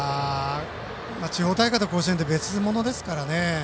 地方大会と甲子園って別物ですからね。